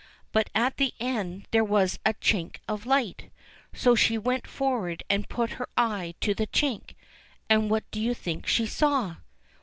But at the end there was a chink of Hght. So she went forward and put her eye to the chink — and what do you think she saw